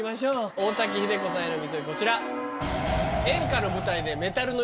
大滝秀子さんへの禊こちら。